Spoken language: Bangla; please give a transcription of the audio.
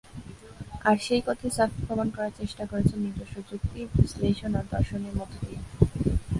আর সেই কথাই ছফা প্রমাণ করার চেষ্টা করেছেন নিজস্ব যুক্তি, বিশ্লেষণ আর দর্শনের মধ্য দিয়ে।